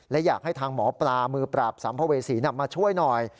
และอยากให้ทางหมอปลามือปราบสัมภเวษีนำมาช่วยหน่อย